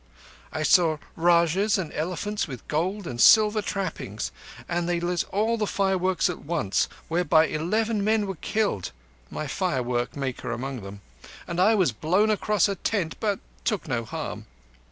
"I saw Rajahs, and elephants with gold and silver trappings; and they lit all the fireworks at once, whereby eleven men were killed, my fire work maker among them, and I was blown across a tent but took no harm.